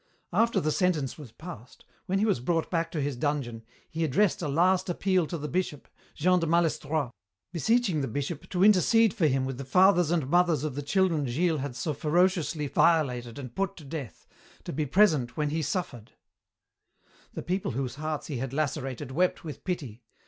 After the sentence was passed, when he was brought back to his dungeon, he addressed a last appeal to the Bishop, Jean de Malestroit, beseeching the Bishop to intercede for him with the fathers and mothers of the children Gilles had so ferociously violated and put to death, to be present when he suffered. "The people whose hearts he had lacerated wept with pity.